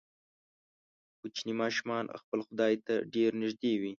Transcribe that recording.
کوچني ماشومان خپل خدای ته ډیر نږدې وي.